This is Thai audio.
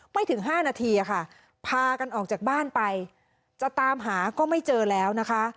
ถึง๕นาทีค่ะพากันออกจากบ้านไปจะตามหาก็ไม่เจอแล้วนะคะ